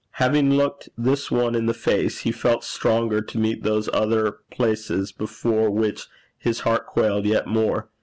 Having looked this one in the face, he felt stronger to meet those other places before which his heart quailed yet more.